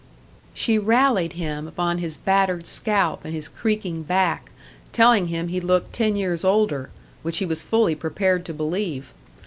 She rallied him upon his battered scalp and his creaking back, telling him he looked ten years older which he was fully prepared to believe.